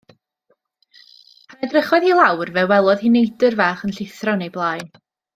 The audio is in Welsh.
Pan edrychodd hi lawr fe welodd hi neidr fach yn llithro yn ei blaen.